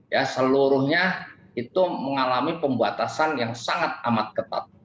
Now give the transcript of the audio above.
ya seluruhnya itu mengalami pembatasan yang sangat amat ketat